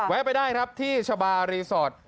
ไปได้ครับที่ชะบารีสอร์ท